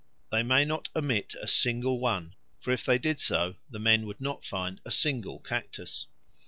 They may not omit a single one, for if they did so the men would not find a single cactus.